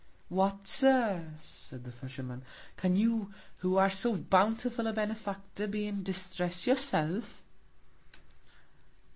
What! Sir, said the Fisherman, can you, who are so bountiful a Benefactor, be in Distress yourself?